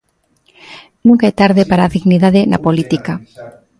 Nunca é tarde para a dignidade na política.